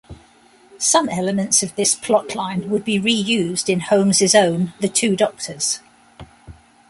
Some elements of this plotline would be reused in Holmes' own "The Two Doctors".